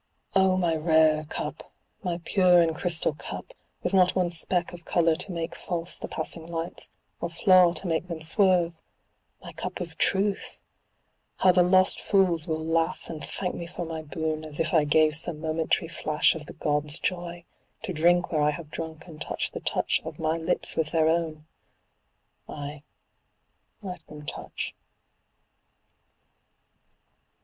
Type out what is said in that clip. Oh my rare cup! my pure and crystal cup, with not one speck of colour to make false the passing lights, or flaw to make them swerve! My cup of Truth! How the lost fools will laugh and thank me for my boon, as if I gave some momentary flash of the gods' joy, to drink where I have drunk and touch the touch of my lips with their own! Aye, let them touch.